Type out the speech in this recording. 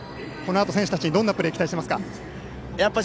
このあと選手たちにどんなプレーを期待しますか。